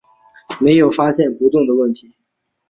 没有发不动的问题